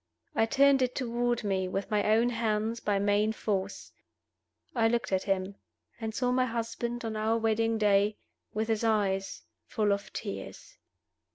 I turned it toward me, with my own hands, by main force. I looked at him and saw my husband, on our wedding day, with his eyes full of tears.